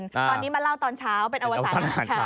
ตอนนี้มาเล่าตอนเช้าเป็นอวสารเช้า